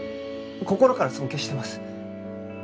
心から尊敬してます。